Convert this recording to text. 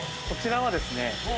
こちらはですね